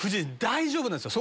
大丈夫です。